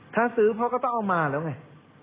ถ้าซื้อพ่อก็ต้องเอามาแล้วไง